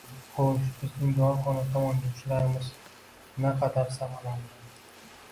Xo‘sh, bizning dorixona tomon yurishlarimiz naqadar «samarali